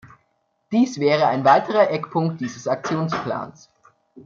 Dies wäre ein weiterer Eckpunkt dieses Aktionsplans.